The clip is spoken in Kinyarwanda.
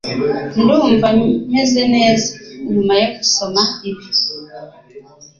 Ndumva meze neza nyuma yo gusoma ibi.